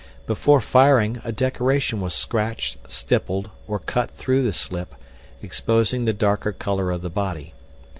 Before firing, a decoration was scratched, stippled, or cut through the slip, exposing the darker color of the body.